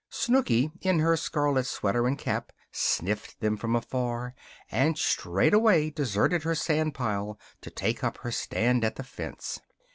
Snooky, in her scarlet sweater and cap, sniffed them from afar and straightway deserted her sand pile to take her stand at the fence.